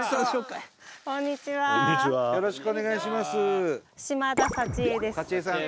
よろしくお願いします。